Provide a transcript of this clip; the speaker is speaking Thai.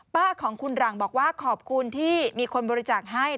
ป้าของคุณหลังบอกว่าขอบคุณที่มีคนบริจาคให้